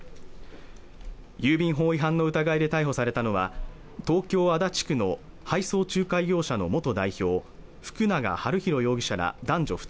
郵便法違反の疑いで逮捕されたのは東京・足立区の配送仲介業者の元代表福永悠宏容疑者ら男女